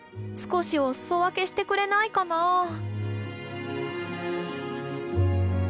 少しお裾分けしてくれないかなぁ。